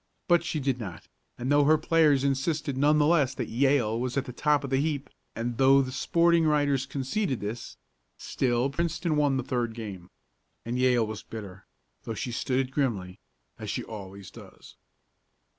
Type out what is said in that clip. But she did not, and though her players insisted, none the less, that Yale was at the top of the heap, and though the sporting writers conceded this, still Princeton won the third game. And Yale was bitter, though she stood it grimly, as she always does.